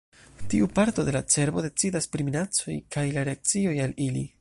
Tiu parto de la cerbo decidas pri minacoj kaj la reakcioj al ili.